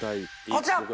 こちら！